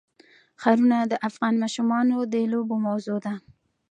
ښارونه د افغان ماشومانو د لوبو موضوع ده.